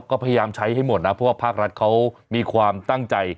ก็พยายามใช้ให้หมดนะเพราะว่าภาครัฐเขามีความตั้งใจ